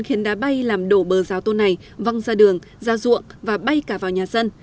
khiến đá bay làm đổ bờ rào tôn này văng ra đường ra ruộng và bay cả vào nhà dân